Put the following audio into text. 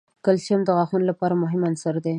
کلسیم د غاښونو لپاره مهم عنصر دی.